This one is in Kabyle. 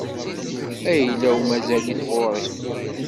Ayla-w mazal-it ɣur-i.